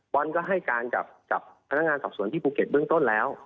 บอลก็ให้การกับพนักงานสอบสวนที่ภูเก็ตเบื้องต้นแล้ว